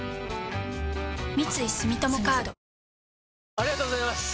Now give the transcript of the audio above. ありがとうございます！